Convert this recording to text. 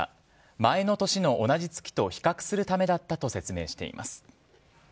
前の年の同じ月と比較するためだったと説明しています。